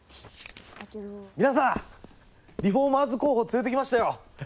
皆さんリフォーマーズ候補連れてきましたよ！